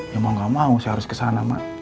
ya mau nggak mau saya harus ke sana mak